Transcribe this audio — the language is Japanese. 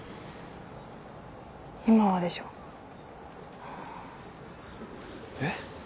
今はでしょ？え？